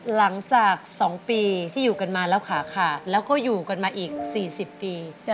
หลังจาก๒ปีที่อยู่กันมาแล้วขาขาดแล้วก็อยู่กันมาอีก๔๐ปี